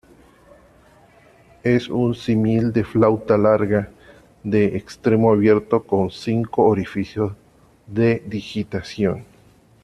Es un símil de flauta larga de extremo abierto con cinco orificios de digitación.